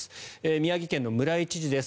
宮城県の村井知事です。